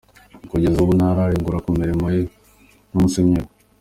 Kugeza ubu ntaregura ku mirimo ye nka musenyeri.